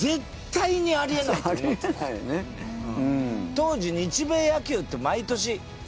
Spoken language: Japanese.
当時日米野球って毎年ねっ？